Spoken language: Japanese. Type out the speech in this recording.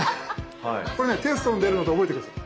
これねテストに出るので覚えて下さい。